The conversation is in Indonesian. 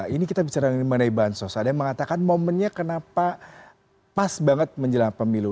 ini kita bicara mengenai bansos ada yang mengatakan momennya kenapa pas banget menjelang pemilu